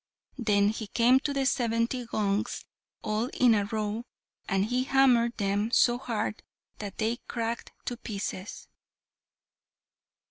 Then he came to the seventy gongs, all in a row, and he hammered them so hard that they cracked to pieces.